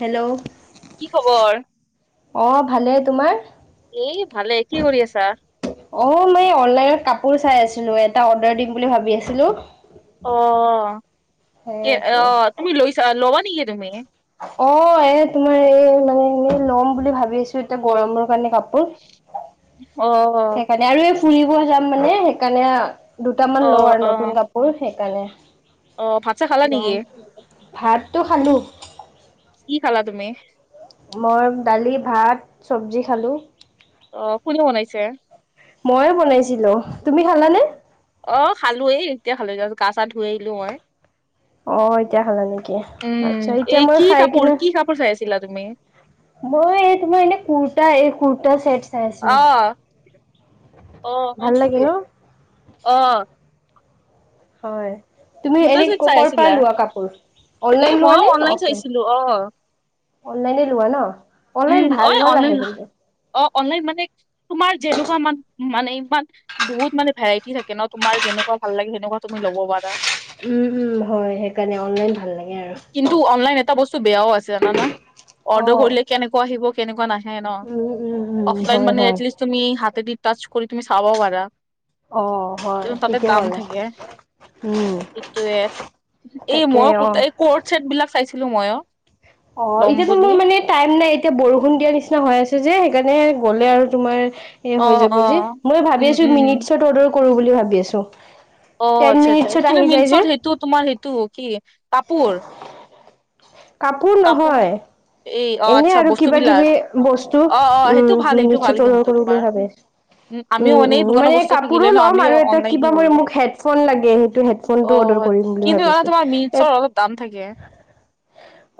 Hello কি খবৰ অ ভালে তোমাৰ এ ভালে কি কৰি আছা অ মই অনলাইনত কাপোৰ চাই আছিলো এটা অৰ্ডাৰ দিম বুলি ভাবি আছিলো অ কে সেইটো অ তুমি লৈছা ল'বা নেকি তুমি অ এ তোমাৰ এই মানে এনেই লম বুলি ভাবি আছো এতিয়া গৰমৰ কাৰণে কাপোৰ অ সেইকাৰণে আৰু এই ফুৰিব যাম মানে সেইকাৰণে দুটামান লওঁ অ', আৰু অ', নতুন কাপোৰ কৰ অ', ভাত চাত খালা সেইকাৰণে ল নেকি? ভাতটো খালোঁ কি খালা তুমি মই দালি ভাত চব্জি খালোঁ অ কোনে বনাইছে ময়ে বনাইছিলো তুমি খালানে অ', অ খালো এই এতিয়া খালো তাৰছত গা চা ধুই আহিলো মই অ এতিয়া খালা নেকি উম, আচ্ছা এতিয়া এই মই কি খাই কাপোৰ কিনে কি কাপোৰ চাই আছিলা তুমি? মই এই তোমাৰ এনেে কুৰৰ্টা এই কুৰৰ্টা চেট চাই আছিলো। আহ আহ হয় ভাল লাগে নেকি ন? অ হয় তুমি কুৰ্তা এনে চেট চাই কৰ'ৰ আছিলা? পৰা লোৱা কাপোৰ এ অনলাইন লোৱা মইও নে অনলাইন অফলাইন চাইছিলো অ', অনলাইনে লোৱা ন উম, অনলাইন ভাল অ', ভাল আহে অনলাইন কিন্তু অ অনলাইন মানে তোমাৰ যেনেকুৱা মান মানে ইমান বহুত মানে ভেৰাইটি থাকে ন তোমাৰ যেনেুকোৱা ভাল লাগে সেনেকুৱা তুমি লব পাৰা উম উম হয় সেইকাৰণে অনলাইন ভাল লাগে আৰু। কিন্তু অনলাইন এটা বস্তু বেয়াও আছে জানা না অ। অৰ্ডাৰ কৰিলে কেনেকুৱা আহিব কেনেকুৱা নাহে ন উম উম উম অফলাইন হয় মানে হয়। এতলিষ্ট তুমি হাতে দি টাচ কৰি তুমি চাবা পাৰা অ হয় এ তাতে ঠিকে দাম ক'লা। থাকে উম সেইটোয়ে এই তাকে মই ক অ এই কৰ্ট চেট বিলাক চাইছিলো মইয়ো অ এতিয়াতো মোৰ মানে টাইম নাই এতিয়া বৰষুণ দিয়া নিচিনা হৈ আছে যে সেইকাৰণে গ'লে আৰু তোমাৰ এ অ হৈ অ যাব যে মই উম ভাবি আছো উম মিনিচাৰ্ট অৰ্ডাৰ কৰো বুলি ভাবি আছো অ টেন আচ্ছা আচ্ছা মিনিটছত কিন্তু আহি যায় যে মিনচাৰ্ট সেইটো তোমাৰ সেইটো কি কাপোৰ কাপোৰ নহয় এই অ এনে আচ্ছা আৰু কিবা বস্তুবিলাক কিবি বস্তু অ অ সেইটো উম ভাল সেইটো ভাল মিনিচৰ্ট অৰ্ডাৰ কিন্তু কৰো তোমাৰ বুলি ভাবি আছো আমিও উম এই উম দোকানৰ মানে বস্তু থাকিলে কাপোৰো ন ল'ম আমিও আৰু এটা অনলাইনে কিবা মই কৰো মোক হেডফোন লাগে সেইটো অ হেডফোনটোও অৰ্ডাৰ কৰিম বুলি ভাবিছো কাম থাকিলে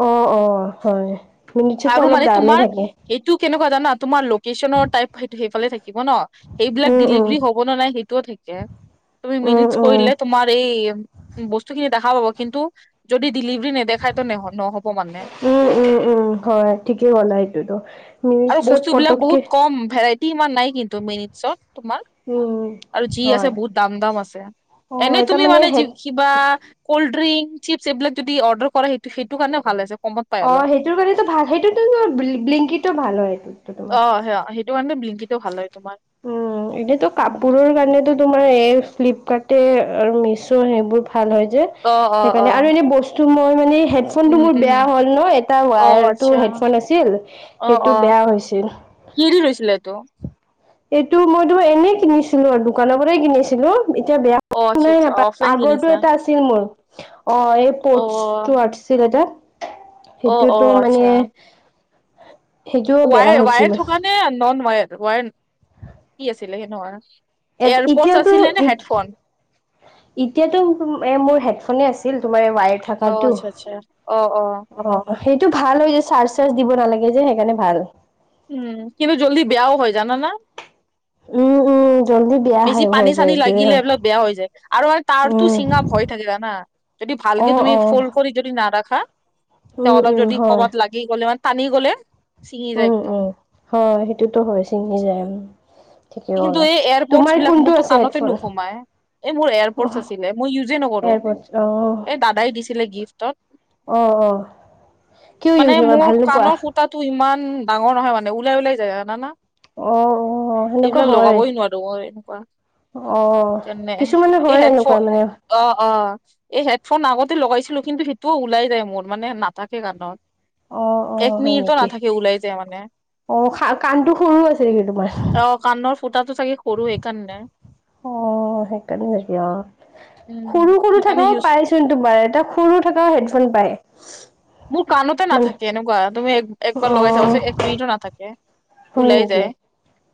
অ অ হয় মিনিচৰ্ট আৰু অলপ মানে দামেই তোমাৰ থাকে সেইটো কেনেকুৱা জানা তোমাৰ লোকেশ্যনৰ টাইপ সেইটো সেইফালে থাকিব ন সেইবিলাক উম উম ডিলিভাৰী হ'ব নাই সেইটোও তুমি উম মিনিট উম কৰিলে তোমাৰ এই বস্তুখিনি দেখা পাব কিন্তু যদি ডিলিভাৰী নেদেখায় ত ন নহব মানে উম উম উম হয় ঠিকেই কলা এইটোতো আৰু নিউজত বস্তু বিলাক পতককে বহুত কম ভেৰাইটি ইমান নাই কিন্তু মিনি চত তোমাৰ উম আৰু যি আছে হয় বহুত দাম দাম আছে অ এনে এটা তুমি মানে হে কিবা কল্ড ড্ৰিংক চিপছ এইবিলাক যদি অৰ্ডাৰ কৰা সেইটো সেইটো কাৰণে ভাল আছে কম অ সেইটো কাৰণেতো ভাল সেইটোতো ব্লেংকিতো ভাল হয় সেইটো তোমাৰ অ সে সেইটো কাৰণে ব্লিংকিটো ভাল হয় তোমাৰ। উম এনেতো কাপোৰৰ কাৰণেতো তোমাৰ এই ফ্লিপকাৰ্টে আৰু মিছৱে সেইবোৰ ভাল হয় যে অ অ অ সেইকাৰণে আৰু এনে বস্তু সেইটো মই মানে হেডফোনটো উম মোৰ উম বেয়া হ'ল মোৰ এটা অ ৱায়াৰটো আচ্ছা হেডফোন আছিল সেইটো বেয়া হৈছিল কি দি লৈছিলা এইটো এইটো মই তোমাৰ এনে কিনিছিলো আৰু দোকানৰ পৰাই কিনিছিলো এতিয়া বেয়া অ আচ্ছা আচ্ছা আপোনাৰ অফলাইন আগৰটো কিনিছা এটা আছিল মোৰ অ অ এয়াৰপডছতো আছিল এটা অ অ সেইটোতো মানে সেইটোও বেয়া ৱায় হৈছিল ৱায়াৰ থকা নে নন ৱায়েৰ ৱায়ানটি ‌ আছিলে সেনকা এত এতিয়াতো ই এতিয়াতো মো মোৰ এ হেডফোনে আছিল তোমাৰ ৱায়াৰ অ থকাটো আচ্ছা আচ্ছা অ অ সেইটো ভাল হয় যে চাৰ্জ চাৰ্জ দিব নালাগে যে সেইকাৰণে ভাল উম কিন্তু জল্দি বেয়াও হয় জানা না উম উম জল্দি বেয়া বেছি হৈ পানী যায় চানী এইটোয়ে লাগিলে হয় এইবিলাক বেয়া হৈ যায় আৰু তাৰতো উম চিঙা ভয় থাকে জানা যদি অ ভালকে তুমি অ ফুলফিড যদি নাৰাখা তেতিয়া উম অলপ উম যদি হয় কবাত লাগি গ'লে মানে টানি গ'লে ছিঙি যায় উম একদম উম হয় সেইটোতো হৈছে সেইটো হৈ যায় ঠিকে কিন্তু ক'লা। এই এয়াৰপৰ্টচ তোমাৰ বিলাক কোনটো মোৰতো আছে কাণতে হেডফোন? নোসোমাই [unintelligible] এই মোৰ এয়াৰপডছ আছিলে, মই ইউজে নকৰোঁ। এয়াৰপডছ এই দাদাই দিছিলে গিফ্টত। [unintelligible] অ-অ। কিয় ইউজ নকৰা, ভাল নোপোৱা? [unintelligible] ফুটাতো ইমান ডাঙৰ নহয় মানে, ওলাই-ওলাই যায় জানানা? [unintelligible] অ-অ। [unintelligible] এইবিলাক লগাবই নোৱাৰোঁ মই এনেকুৱা। অ', এনে, কিছুমানে এই হয় এনেকুৱা হেডফোন মানে। [unintelligible] অ-অ, এই হেডফোন আগতে লগাইছিলোঁ কিন্তু সেইটোও ওলাই যায় মোৰ, মানে নাথাকে কাণত। অ', [unintelligible] এক অ', হয় মিনিটটো নেকি? নাথাকে, ওলাই যায় মানে। [inaudible] অ! [unintelligible] কাণটো সৰু আছে নেকি তোমাৰ? অ কাণৰ ফুটাটো চাগে সৰু, সেইকাৰণে। [unintelligible] অঁ! সেইকাৰণে হৈছে অঁ। উম, সৰু-সৰু সেইকাৰণে থাকাও পাইছ ইউজ [unintelligible] পাই চোন তোমাৰ। এটা সৰু থাকা হেডফোন পায়। [unintelligible] মোৰ কাণতে মানে নাথাকে এনেকুৱা। তুমি এক, একবাৰ লগাই চাবা অ', চোন, এক মিনিটো নাথাকে। [unintelligible] ওলাই যায়। [inaudible]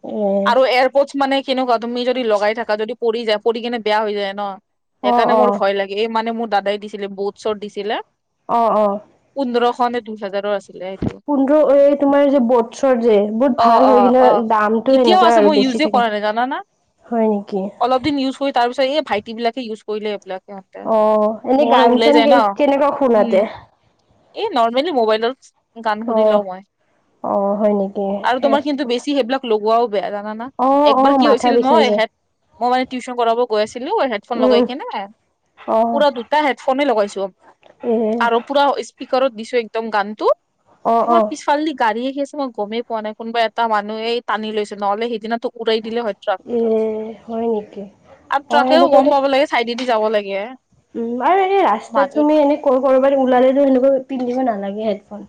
উম। [unintelligible] [unintelligible] মানে কেনেকুৱা? তুমি যদি লগাই থাকা যদি পৰি যায়, পৰি কিনে বেয়া হৈ যায় ন। অ', সেইকাৰণে মোৰ অ', ভয় লাগ এই মানে মোৰ দাদাই দিছিলে, 'বোটছ'ৰ দিছিলে। [unintelligible] অঁ-অঁ। [inaudible] পোন্ধৰশ নে দুহেজাৰৰ আছ [unintelligible] পোন্ধৰ এই তোমাৰ যে 'বোটছ'ৰ যে, বহুত অ', ভাল হয় অ', কিন্তু দামটো এনেকুৱাই আৰু বেছি থাকে। [unintelligible] নাজান না? [unintelligible] হয় নেকি? [unintelligible] এক দিন ইউজ কৰি তাৰ পিছত এই ভাইতিবিলাকে ইউজ কৰিলে এইবিলাক। [unintelligible] ইহঁতে অ [inaudible] এনে মোৰ মানে গান ওলাই চান যায় ন? কেনেকুৱা শুনাতে উম। এই নৰ্মেলি মোবাইলৰ [unintelligible] গান অ শুনি লও‍ঁ মই। অ হয় নেকি আৰু এ তোমাৰ কিন্তু বেছি সেইবিলাক [unintelligible] লগোৱাও বেয়া জানানা। অ অ একবাৰ কি মাথা হৈছিল বিষাই মই, যায় হেড [unintelligible] মই মানে টিউচন কৰাব গৈ আছিলোঁ, হেড ফোন উম লগাই উম কেনে অ [inaudible] পুৰা দুটা হেডফোনে লগাইছো এ আৰু পুৰা স্পীকাৰত দিছোঁ একদম গানটো। অ তোমাৰ অ পিছ [unintelligible] পিছফালেদি গাড়ী আহি আছে মই গমে পোৱা নাই। কোনোবা এটা মানুহ এই টানি লৈছে, নহ'লে সেইদিনাটো উৰাই দিলে হয়। [unintelligible] এ ট্ৰাকটো [unintelligible] হয় নেকি আৰু অ ট্ৰাকেও গম এনেকুৱাতো পাব লাগে, চাইডেদি যাব লাগে। উম। আৰু এনেই ৰাস্তাত মাজত তুমি এনেই [unintelligible] কৰবালে ওলালেনো, তেনেকুৱা পিন্ধিব নালাগে হেডফোন।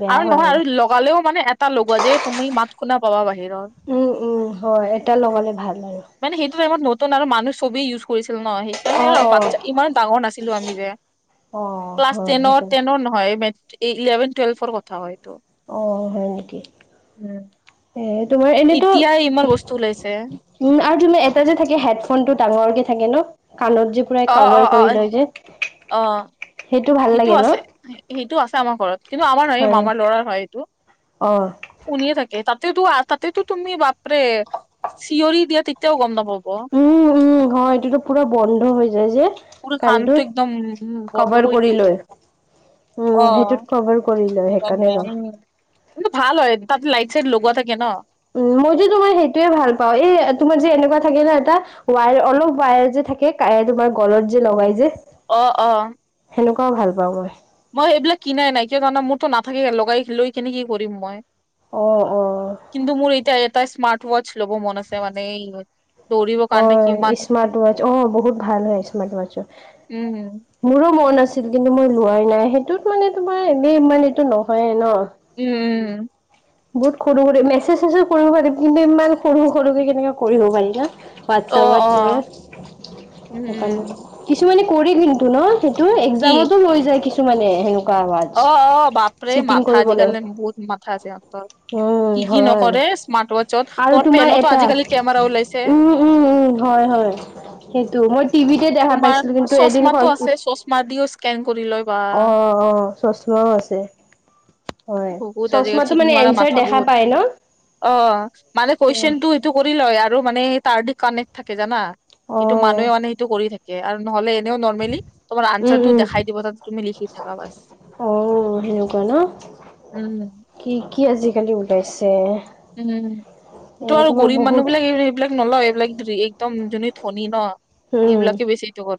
বেয়া আৰু হয় নহয়, আৰু লগালেও মানে এটা লগোৱা যে তুমি মাত শুনা পাবা বাহিৰৰ। [unintelligible] উম-উম! হয়, এটা লগালে ভাল হয়। [unintelligible] মানে সেইটো টাইমত নতুন আৰু মানুহ চবেই ইউজ কৰিছিল ন সেই [unintelligible] সেইকাৰণে অ আৰু অ বাদচা ইমান ডাঙৰ নাছিলো আমি যে। অ ক্লাছ হয় টেনৰ, সেইকাৰণে টেনৰ নহয় মেট্ৰিক [unintelligible] এই ইলেভেন, টুৱেল্ভৰ কথা এইটো। [unintelligible] অ! হয় নেকি? [inaudible] এ তোমাৰ এনেইটো এতিয়া ইমান বস্তু ওলাইছে উম আৰু তুমি এটা যে থাকে হেডফোনটো ডাঙৰ কে থাকে ন, কাণত যে [inaudible] পুৰা অ অ কাভাৰ অ কৰি লয় যে, অ সেইটো ভাল লাগে ন? [unintelligible] সেইটো আছে আমাৰ ঘৰত কিন্তু আমাৰ নহয় এই হয়। মামাৰ লৰাৰ হয় এইটো। অ', [unintelligible] শুনিয়ে থাকে তাতেতো-তাতেতো তুমি বাপৰে [unintelligible] চিঞৰি দিয়া, তেতিয়াও গম নাপাব। [unintelligible] উম-উম, হয়। এইটো পুৰা বন্ধ হৈ যায় যে। [unintelligible] পুৰা কাণটো একদম কভাৰ বন্ধ কৰি দিয়ে যে। লয়, [unintelligible] উম, অঁ সেইটোত কভাৰ কৰি লয় সেইকাৰণে ৰ গুডমৰ্ণিং। কিন্তু ভাল হয় তাতে লাইট-চাইট লগোৱা থাকে ন'? উম, মইতো তোমাৰ সেইটোৱে ভাল পাওঁ। এই তোমাৰ যে এনেকুৱা থাকে ন ' এটা ৱায়াৰ অলপ ৱায়াৰ যে থাকে কায় তোমাৰ গলত যে লগাই যে। অঁ, অঁ। হেনেকুৱাও ভাল পাওঁ মই। মই সেইবিলাক কিনাই নাই। কিয় জানা মোৰতো নাথাকে লগাই লৈ কিনে কি কৰিম মই। অঁ, অঁ। কিন্তু মোৰ এতিয়া এটা স্মাৰ্ট ৱাটচ ল'ব মন আছে মানে এই দৌৰিব কাৰণে অঁ কিমান স্মাৰ্ট ৱাটচ, অঁ বহুত ভাল হয় স্মাৰ্ট উম উম ৱাটচটো। মোৰো মন আছিল কিন্তু মই লোৱাই নাই। সেইটোত মানে তোমাৰ এনেই মানে এইটো নহয়ে ন'। উম, উম। বহুত সৰু সৰু মেছেজ-চেছেজ কৰিব পাৰিম কিন্তু ইমান সৰু সৰুকে কেনেকে কৰিব পাৰি না? হোৱাত অ অ এপত যে উম সেইকাৰণে। উম কিছুমানে কৰে কিন্তু ন '? সেইটো এক্সামটো লৈ যায় কিছুমানে হেনু। অঁ, অঁ বাপৰে মাথা কৰিবলৈ আজিকালি বহুত মাথা আছে সিহঁতৰ। উম কি কি হয় নকৰে স্মাৰ্ট ৱাটচত। আৰু পত্ তোমাৰ পেনটো এটা আজিকালি কেমেৰা ওলাইছে। উম উম, উম হয় হয় সেইটো মই টিভিতহে দেখা পাইছিলো কিন্তু এদিন স মাদিও স্কেন কৰি লয়। বা অঁ, অঁ চশমাও আছে। হয়। বহুত আজিকালি চশমাটো চিটিং মানে মাৰা এনচাৰ মাথা দেখা বহুত। পায় ন? অঁ, মানে কোৱেইছনটো এইটো কৰি লয় আৰু মানে তাৰ দি কানেক্ট থাকে জানা? এইটো অ', মানুহে মানে দি থাকে আৰু নহলে এনেও নৰ্মেলি তোমাৰ উম, আনচাৰটো দেখাই দিব তাত তুমি লিখি থাকা বচ। অও সেইট্ এনেকুৱা ন'? উম কি কি আজিকালি ওলাইছে। উম, এ এইটো আৰু তোমাৰ গৰীব মানুহ বহুত বিলাকে এই এইবিলাক নলয়। এইবিলাক যি একদম যোনে ধনী ন' উম। এইবিলাকে বেছি জগৰ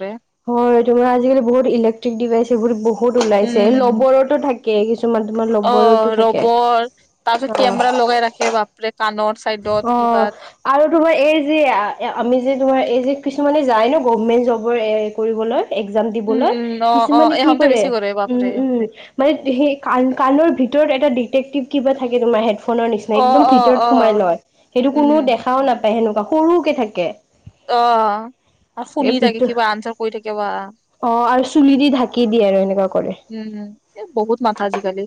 হয়, তোমাৰ আজিকালি বহুত ইলেক্ট্ৰিক ডিভাইচ এইবোৰ বহুত ওলাইছে। ৰবৰটো থাক্ কে কিছ মান তোমাৰ ৰ অঁ, ৰবৰ তাৰপিছত অ'। কেমেৰা লগাই ৰাখে বাপৰে কানৰ অ চাইডত কিবাত। আৰু তোমাৰ এই যে আ আমি যে তোমাৰ এই যে কিছুমানে যায় ন' গভমেণ্ট জবৰ এ কৰিবলৈ এক্সাম উম দিবলৈ উম অ অ কিছুমানে কি এহঁতে কৰে বেছি উম, বাপৰে উম। মানে সেই কাণ কাণৰ ভিতৰত এটা ডিটেক্টিভ কিবা থাকে তোমাৰ হেডফোনৰ নিচিনা অ একদম অ ভিতৰত অ সোমাই লয়। সেইটো কোনো উম দেখাও নাপাই সেনেকুৱা সৰুকে থাকে। অঁ - আ শুনি থাকে কিবা আনচাৰ কৈ থাকে বা - অঁ আৰু চুলি দি ঢাক্ ঢাকি দিয়ে আৰু এনেকুৱা। কৰে উম, উম এ বহুত মাথা আজি-কালি।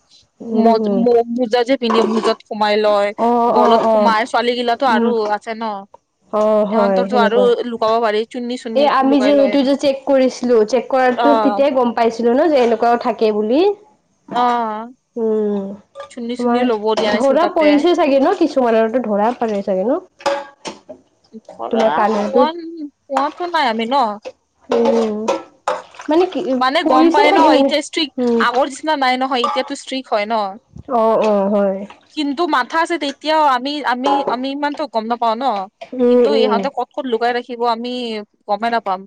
উম মজ উম মো মোজা যে পিন্ধে মোজাত সোমাই লয়। অ অ গলত অ সোমাই ছোৱালী গিলাতো আৰু আছে ন'? অঁ, হয় সেনেকুৱা। এ লুকুৱাব পাৰি। চুন্নি চুন্নি এ আমি লুকাই যে লয় সিটো যে চেক কৰিছিলোঁ। চেক অ কৰাটো তেতিয়াই গম পাইছিলো ন যে এনেকুৱাও থাকে বুলি। অ। উম চুন্নি চুন্নি তোমাৰ ল'ব দিয়া নাছিল ধৰা তাতে পৰিছে চাগে ন কিছু তোমালোকৰতো ধৰা [unintelligible] ন? ধৰা তোমাৰ কাণৰটো পোৱা পোৱাতো নাই আমি ন। উম মানে কি মানে পৰিছে চাগে উম। না নাই নহয় এতিয়াতো ষ্ট্ৰিক হয় ন। অ অ হয় কিন্তু মাথা আছে তেতিয়াও আমি-আমি-আমি ইমানতো গম নাপাও ন। উম কিন্তু উম ইহঁতে ক ক'ত লুকাই ৰাখিব আমি গমেই নাপাম।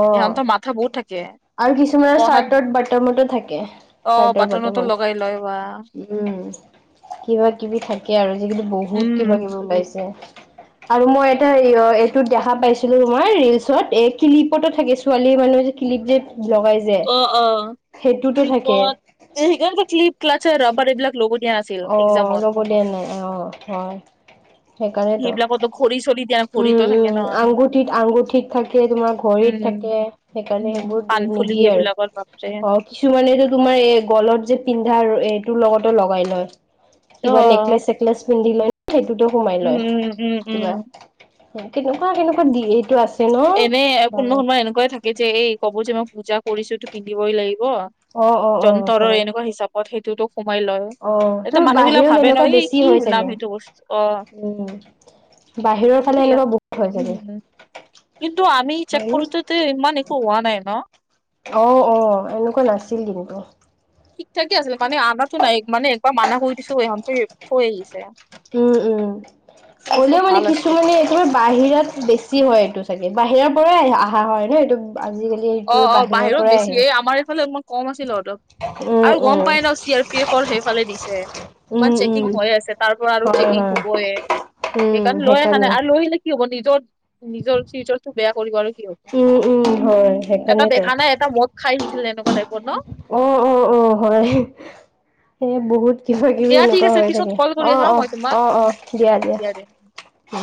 অ ইহঁতৰ মাথা বহুত থাকে। আৰু কিছুমানৰ পঢ়াত চাৰ্টৰ বাটমতো থাকে, অ চাৰ্টৰ বাটনতো লগাই লয় বাটমত। বা উম। কিবা কিবি থাকে আৰু। আজি কালি বহুত উম। কিবা কিবি ওলাইছে। আৰু মই এটা এইটো দেখা পাইছিলো তোমাৰ ৰিলচত, এ ক্লিপতো থাকে ছোৱালী মানুহ যে ক্লিপ যে লগাই যে অ সেইটোতো থাকে। এইকাৰণে ক্লিপ ক্লাৰৰ ৰবাৰ এইবিলাক ল'ব দিয়া নাছিল অ এক্সামত ল'ব দিয়া নাই অ হয়। সেইকাৰণেটো সেইবিলাকতো ঘড়ী চৰি দিয়া উম ঘড়ীতো থাকে উম ন আঙুঠিত-আঙুঠিত থাকে, তোমাৰ ঘড়ীত উম থাকে, সেইকাৰণে উম সেইবোৰ দি কাণফুলি নিদিয়ে এইবিলাকত বাপৰে। আৰু কিছুমানেটো তোমাৰ এ গলত যে পিন্ধা এইটোৰ লগতো লগাই লয়। অ কিবা নেকলেচ-চেকলেছ পিন্ধি লয় সেইটোতো সোমাই উম লয় উম উম কিবা, উম। কেনেকুৱা কেনেকুৱা দি এইটো আছ এনে কোনো সময় এনেকুৱাই থাকে যে এই কব যে মই পূজা কৰিছো এইটো পিন্ধিবই লাগিব, অ অ অ যন্ত্ৰৰ হয় এনেকুৱা হিচাপত সেইটোতো সোমাই লয়, অ তোৰ এতিয়া মানুহ বিলাক বাহিৰত ভাবে ন এনেকুৱা এই বেছি কি হয় ওলাম চাগে সেইটো বস্তু অ বাহিৰৰ কিন্তু ফালে ইয়াত এনেকুৱা বহুত হৈ চাগে। উম কিন্তু আমি চেক হয়নে কৰোতে তে ইমান একো হোৱা নাই ন। অ অ এনেকুৱা নাছিল কিন্তু। ঠিক থাকে আছিলে, মানে আনাতো নাই মানে একবাৰ মানা কৰি দিছো ইহঁতে থৈ আহিছে। উম উম বস্তু হ'লেও মানে ভাল আছিল কিছুমানে এই বাহিৰাত বেছি হয় এইটো চাগে, বাহিৰাৰ পৰাই অহা হয় ন এইটো আজিকালি অ এইটোৱে অ বাহিৰৰ বাহিৰত পৰাই বেছি এই আহে আমাৰ এইফালে অকমান কম আছিল উম আৰু গম উম পাই ন চি আৰ পি এফৰ সেইফালে দিছে। ইমান উম উম চেকিং হৈ আছে, তাৰ পৰা আৰু হয় চেকিং হয় হ'বয়ে। উম সেইকাৰণে লৈ অহা নাই সেইকাৰণে আৰু লৈ আহিলে কি হ'ব নিজৰ, নিজৰ ফিউচাৰটো বেয়া কৰিব আৰু কি হ'ব। উম উম হয়। এটা সেইকাৰণেতো দেখা নাই এটা মদ খাই আহিছিল এনেকুৱা টাইপৰ ন উম উম উম হয়। এ উম, বহুত কিবা কিবি দিয়া ঠিক এনেকুৱা আছে হৈ পিছত থাকে। কল কৰি অ আছো হা অ মই তোমাক অ অ দিয়া দিয়া। উম